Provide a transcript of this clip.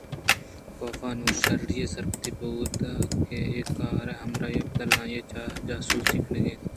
کاف نوں شرّی ءَ سرپد بوتگ اَت کہ اے کار ءِ ہمرائی ءِ بدل ءَ آئی ءِ جاسوسی ءَ کنگ ءَ اَنت